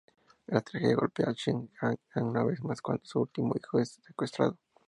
La tragedia golpea a Shin-ae una vez más cuando su único hijo es secuestrado.